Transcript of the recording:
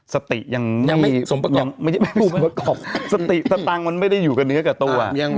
สติยังไม่ได้เป็นผู้ประกอบสติสตังค์มันไม่ได้อยู่กับเนื้อกับตัว